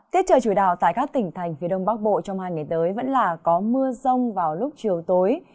tiết trời chủ đạo tại các tỉnh thành phía đông bắc bộ trong hai ngày tới vẫn là có mưa rông vào lúc chiều tối